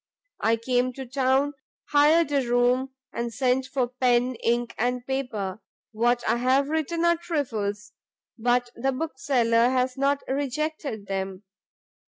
I came to town, hired a room, and sent for pen, ink and paper: what I have written are trifles, but the Bookseller has not rejected them.